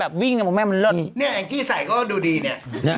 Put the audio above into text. เนี่ยแองกี้ใส่ก็ดูดีเนี่ย